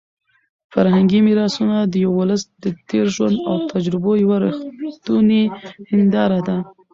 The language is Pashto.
فرهنګي میراثونه د یو ولس د تېر ژوند او تجربو یوه رښتونې هنداره ده.